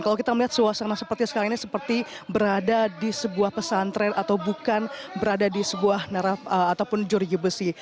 kalau kita melihat suasana seperti sekarang ini seperti berada di sebuah pesantren atau bukan berada di sebuah naraf ataupun jorgi besi